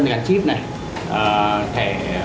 giấy chip này thẻ